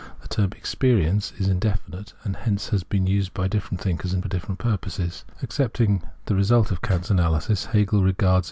The term " experience " is indefinite, and hence has been used by different thinkers for different puxposes'i. Accepting the result of Kant's analysis, Hegel regard^?